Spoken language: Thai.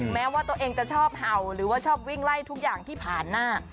แม้ว่าตัวเองจะชอบเห่าหรือว่าชอบวิ่งไล่ทุกอย่างที่ผ่านหน้า